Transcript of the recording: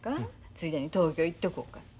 ついでに東京行ってこうかって。